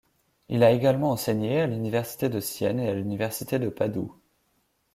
Il a également enseigné à l'université de Sienne et à l'université de Padoue.